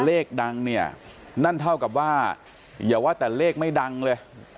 เลขดังเนี่ยนั่นเท่ากับว่าอย่าว่าแต่เลขไม่ดังเลย